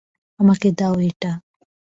আমাকে দাও এটা।